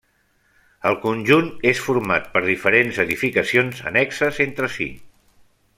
El conjunt és format per diferents edificacions annexes entre si.